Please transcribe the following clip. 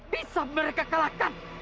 bisa mereka kalahkan